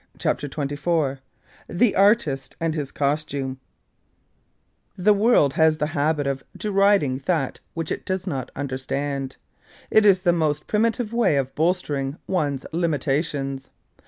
CHAPTER XXIV THE ARTIST AND HIS COSTUME The world has the habit of deriding that which it does not understand. It is the most primitive way of bolstering one's limitations.